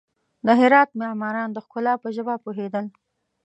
د هرات معماران د ښکلا په ژبه پوهېدل.